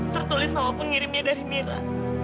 tertulis nama pengirimnya dari mira